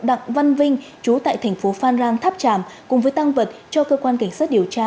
đặng văn vinh chú tại thành phố phan rang tháp tràm cùng với tăng vật cho cơ quan cảnh sát điều tra